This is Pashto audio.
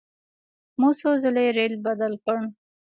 مو څو ځلې ریل بدل کړ.